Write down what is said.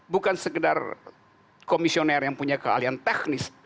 bukan sekedar komisioner yang punya keahlian teknis